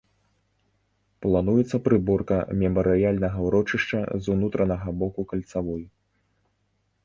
Плануецца прыборка мемарыяльнага ўрочышча з унутранага боку кальцавой.